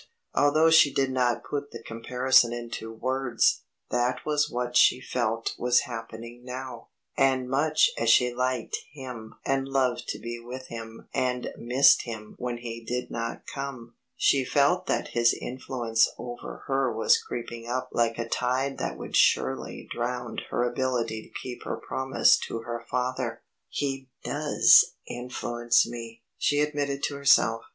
Although she did not put the comparison into words, that was what she felt was happening now, and much as she liked him and loved to be with him and missed him when he did not come, she felt that his influence over her was creeping up like a tide that would surely drown her ability to keep her promise to her father. "He does influence me," she admitted to herself.